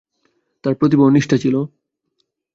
তার প্রতিভা ও নিষ্ঠা ছিল।